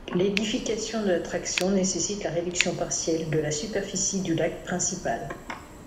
L'édification de l'attraction nécessite la réduction partielle de la superficie du lac principal.